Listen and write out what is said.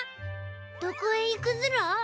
どこへ行くズラ？